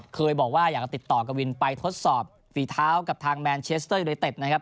เคยบอกว่าอยากจะติดต่อกวินไปทดสอบฝีเท้ากับทางแมนเชสเตอร์ยูไนเต็ดนะครับ